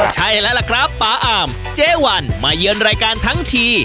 ใช่แล้วล่ะครับป๊าอามเจ๊วันมาเยือนรายการทั้งที